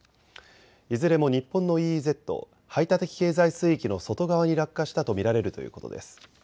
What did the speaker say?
いずれも日本のＥＥＺ・排他的経済水域の外側に落下したと見られるということです。